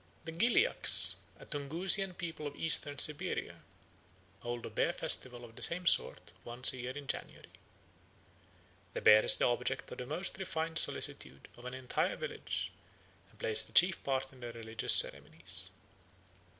The Gilyaks, a Tunguzian people of Eastern Siberia, hold a bear festival of the same sort once a year in January. "The bear is the object of the most refined solicitude of an entire village and plays the chief part in their religious ceremonies."